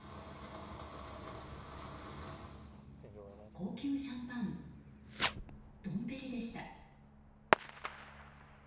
高級シャンパン、ドンペリでした。